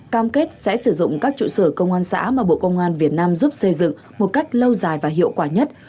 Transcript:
cam kết sẽ sử dụng các trụ sở công an xã mà bộ công an việt nam giúp xây dựng một cách lâu dài và hiệu quả nhất